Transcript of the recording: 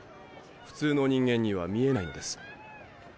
普通の人間には見えないのです。